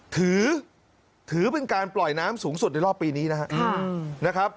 ถือเป็นการปล่อยน้ำสูงสุดในรอบปีนี้นะครับ